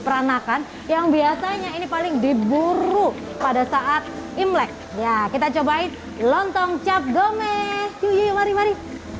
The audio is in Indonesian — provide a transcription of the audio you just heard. peranakan yang biasanya ini paling diburu pada saat imlek ya kita cobain lontong cap gome yuh mari mari